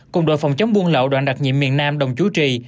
cùng đội phòng chống buôn lậu đoạn đặc nhiệm miền nam đồng chú trì